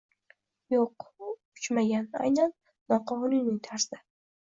Yo`q, uchmagan, aynan noqonuniy tarzda O